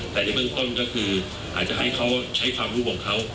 แต่ในเบื้องต้นก็คืออาจจะให้เขาใช้ความรู้ของเขา